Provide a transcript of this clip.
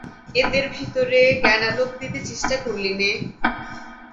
এদের ভেতরে জ্ঞানালোক দিতে চেষ্টা করলিনে।